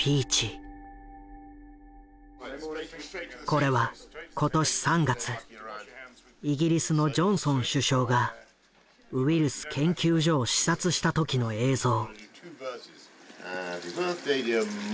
これは今年３月イギリスのジョンソン首相がウイルス研究所を視察した時の映像。